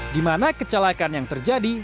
dimana kecelakaan yang terjadi